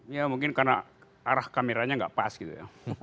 ya mungkin karena arah kameranya nggak pas gitu ya